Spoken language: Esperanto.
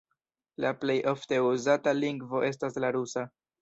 La plej ofte uzata lingvo estas la rusa.